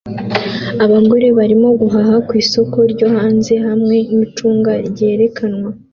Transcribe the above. Abagore barimo guhaha ku isoko ryo hanze hamwe nicunga ryerekanwa